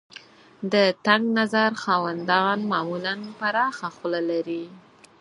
د تنګ نظر خاوندان معمولاً پراخه خوله لري.